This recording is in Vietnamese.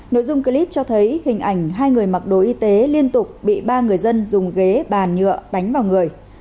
nội dung clip cho thấy hình ảnh hai người mặc đồ y tế liên tục bị ba người dân dùng ghế bàn nhựa đánh vào người